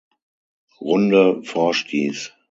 Runde vorstieß.